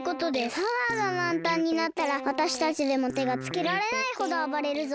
パワーがまんたんになったらわたしたちでもてがつけられないほどあばれるぞ。